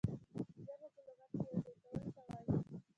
جمع په لغت کښي يو ځاى کولو ته وايي.